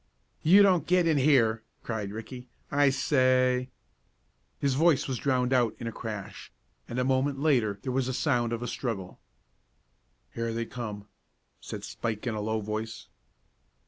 "You don't get in here!" cried Ricky. "I say " His voice was drowned out in a crash, and a moment later there was the sound of a struggle. "Here they come," said Spike in a low voice.